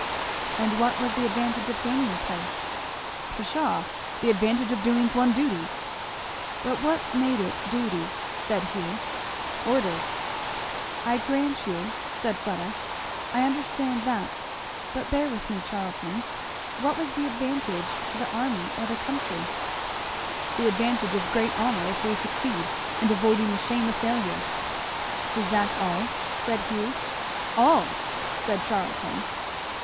"And what was the advantage of gaining the place." "Pshaw! The advantage of doing one's duty." "But what made it duty?" said Hugh. "Orders." "I grant you," said Fleda, "I understand that but bear with me, Charlton, what was the advantage to the army or the country?" "The advantage of great honour if we succeeded, and avoiding the shame of failure." "Is that all?" said Hugh. "All!" said Charlton.